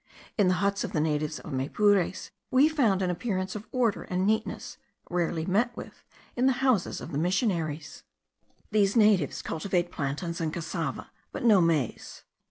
In the huts of the natives of Maypures we found an appearance of order and neatness, rarely met with in the houses of the missionaries. These natives cultivate plantains and cassava, but no maize.